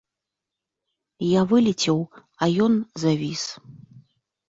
Я вылецеў, а ён завіс.